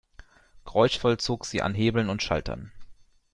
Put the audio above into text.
Geräuschvoll zog sie an Hebeln und Schaltern.